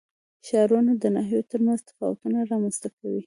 ښارونه د ناحیو ترمنځ تفاوتونه رامنځ ته کوي.